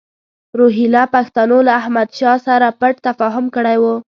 روهیله پښتنو له احمدشاه سره پټ تفاهم کړی وو.